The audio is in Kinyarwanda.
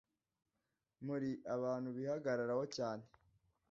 Muri abantu bihagararaho cyane